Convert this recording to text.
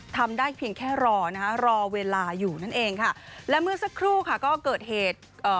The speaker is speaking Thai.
ทำได้เพียงแค่รอนะคะรอเวลาอยู่นั่นเองค่ะและเมื่อสักครู่ค่ะก็เกิดเหตุเอ่อ